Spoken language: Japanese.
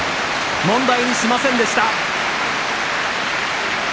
問題にしませんでした。